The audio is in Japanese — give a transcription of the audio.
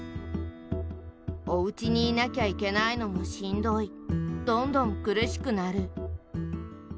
おうちにいなきゃいけないのもしんどいどんどん苦しくなる。